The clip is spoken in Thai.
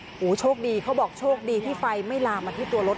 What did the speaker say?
โอ้โหโชคดีเขาบอกโชคดีที่ไฟไม่ลามมาที่ตัวรถ